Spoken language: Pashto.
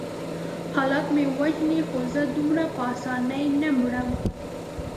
حالات مې وژني خو زه دومره په آسانۍ نه مرم.